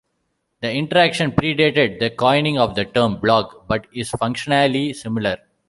This interaction pre-dated the coining of the term "blog", but is functionally similar.